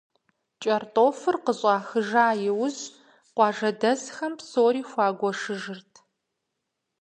Кӏэртӏофыр къыщӏахыжа иужь, къуажэдэсхэм псоми хуагуэшыжырт.